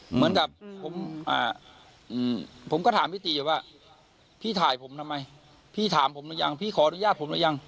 เหมือนกับผมผมก็ถามพี่ตีว่าพี่ถ่ายผมทำไมพี่ถามผมหรือยังพี่ขออนุญาตผมหรือยัง